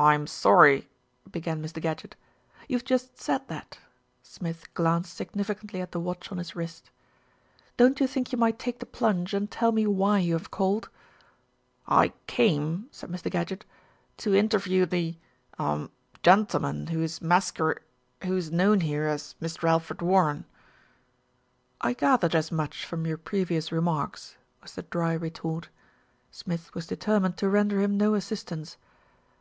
"I'm sorry " began Mr. Gadgett. "You've just said that." Smith glanced significantly at the watch on his wrist. "Don't you think you might take the plunge, and tell me why you have called?" "I came," said Mr. Gadgett, "to interview the er gentleman who is masquer who is known here as Mr. Alfred Warren." "I gathered as much from your previous remarks/' was the dry retort. Smith was determined to render him no assistance.